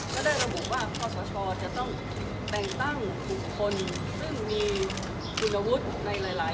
แสดงทุกคนต้องแต่งตั้งคนซึ่งอาวุธในหลาย